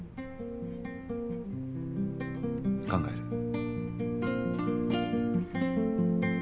考える。